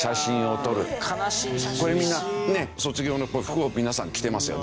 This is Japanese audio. これみんな卒業の服を皆さん着てますよね。